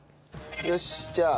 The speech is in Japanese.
よしじゃあ。